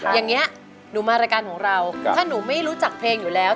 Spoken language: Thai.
อย่างนี้หนูมารายการของเราถ้าหนูไม่รู้จักเพลงอยู่แล้ว